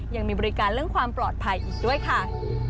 ยังมีบริการเรื่องความปลอดภัยอีกด้วยค่ะ